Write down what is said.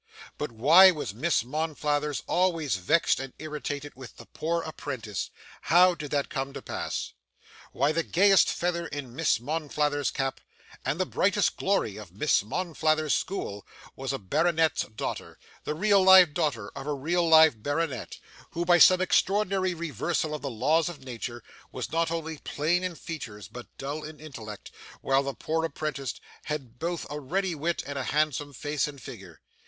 But why was Miss Monflathers always vexed and irritated with the poor apprentice how did that come to pass? Why, the gayest feather in Miss Monflathers's cap, and the brightest glory of Miss Monflathers's school, was a baronet's daughter the real live daughter of a real live baronet who, by some extraordinary reversal of the Laws of Nature, was not only plain in features but dull in intellect, while the poor apprentice had both a ready wit, and a handsome face and figure.